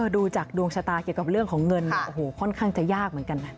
ดูจากดวงชะตาเกี่ยวกับเรื่องของเงินค่อนข้างจะยากเหมือนกัน